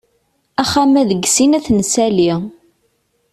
Axxam-a deg sin ad t-nsali.